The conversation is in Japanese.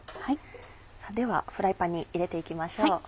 ではフライパンに入れて行きましょう。